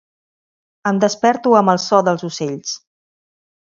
Em desperto amb el so dels ocells.